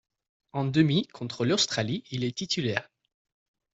En demi, contre l’Australie, il est titulaire.